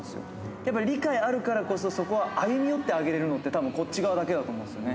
やっぱりかいあるからこそ、そこは歩み寄ってあげられるのって、たぶんこっち側だけだと思うんですよね。